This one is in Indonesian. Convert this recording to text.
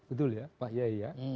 betul ya pak yaiya